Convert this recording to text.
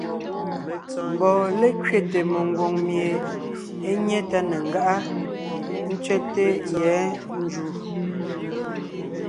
Mbɔɔ lékẅéte mengwòŋ mie é nyé tá ne ńgáʼa, ńtsẅɛ́te yɛ̌ njǔ.